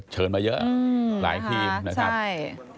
เชิญมาเยอะหลายทีมนะครับใช่